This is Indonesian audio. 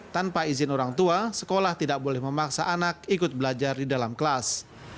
tanpa izin orang tua sekolah tidak boleh memaksa anak ikut belajar di dalam kelas